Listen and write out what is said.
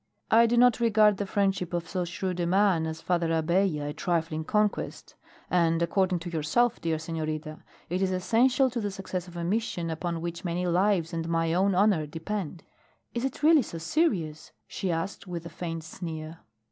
"I do not regard the friendship of so shrewd a man as Father Abella a trifling conquest. And according to yourself, dear senorita, it is essential to the success of a mission upon which many lives and my own honor depend." "Is it really so serious?" she asked with a faint sneer.